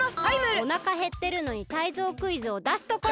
おなかへってるのにタイゾウクイズをだすところ。